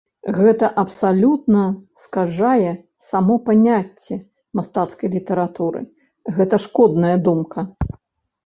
Гэта абсалютна скажае само паняцце мастацкай літаратуры, гэта шкодная думка.